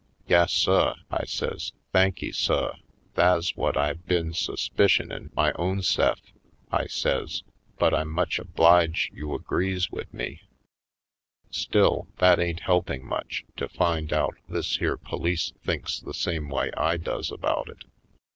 "Yas, suh," I says; "thanky, suh — tha's whut I been suspicionin' my own se'f," I says, "but I'm much oblige' you agrees wid me." Still, that ain't helping much, to find out this here police thinks the same way I does about it.